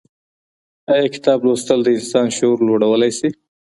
آيا کتاب لوستل د انسان شعور لوړولی سي؟